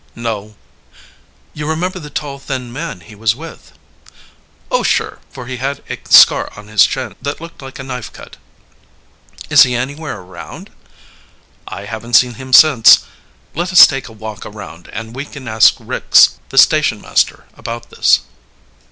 "No." "You remember the tall, thin man he was with?" "Oh, sure, for he had a scar on his chin that looked like a knife cut." "Is he anywhere around?" "I haven't seen him since. Let us take a walk around, and we can ask Ricks the station master about this."